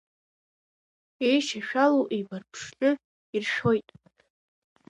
Еишьашәалоу еибарԥшны иршәоит.